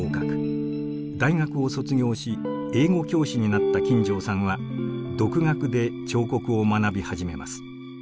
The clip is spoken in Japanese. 大学を卒業し英語教師になった金城さんは独学で彫刻を学び始めます。